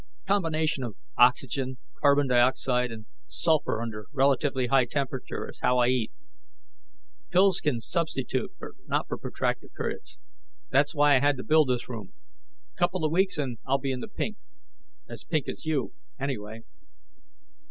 "Combination of oxygen, carbon dioxide, and sulfur under relatively high temperature is how I eat. Pills can substitute, but not for protracted periods. That's why I had to build this room. Couple of weeks, and I'll be in the pink; as pink as you, anyway."